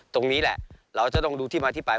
ตรงนี้แหละเราจะต้องดูที่มาที่ไป